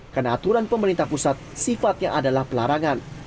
karena aturan pemerintah pusat sifatnya adalah pelarangan